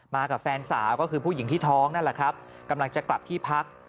กับแฟนสาวก็คือผู้หญิงที่ท้องนั่นแหละครับกำลังจะกลับที่พัก